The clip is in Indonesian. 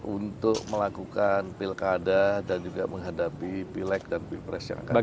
untuk melakukan pilkada dan juga menghadapi pilek dan pilpres yang akan datang